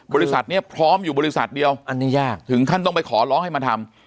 บริษัทเนี่ยพร้อมอยู่บริษัทเดียวถึงท่านต้องไปขอร้องให้มาทำ